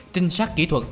tinh sát kỹ thuật